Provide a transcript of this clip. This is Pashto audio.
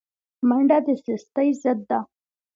منډه د سستۍ ضد ده